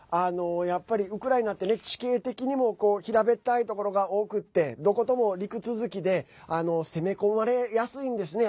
やっぱりウクライナって地形的にも平べったいところが多くてどことも陸続きで攻め込まれやすいんですね。